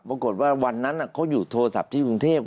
ปรากฏว่าวันนั้นเขาอยู่โทรศัพท์ที่กรุงเทพฯ